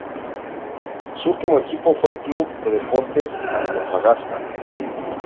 Su último equipo fue Club de Deportes Antofagasta.